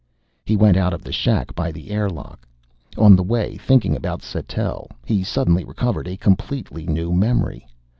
He went out of the shack by the air lock. On the way, thinking about Sattell, he suddenly recovered a completely new memory.